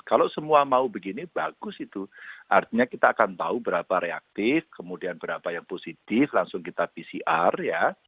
kalau semua mau begini bagus itu artinya kita akan tahu berapa reaktif kemudian berapa yang positif langsung kita pcr ya